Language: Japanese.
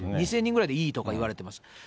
２０００人ぐらいでいいとかいわれてます。